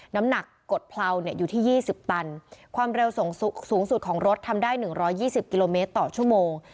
น้ำหนักกดเพลาเนี่ยอยู่ที่๒๐ตันความเร็วสูงสูงสุดของรถทำได้๑๒๐กิโลเมตรต่อชั่วโมง